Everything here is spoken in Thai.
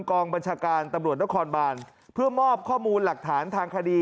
กองบัญชาการตำรวจนครบานเพื่อมอบข้อมูลหลักฐานทางคดี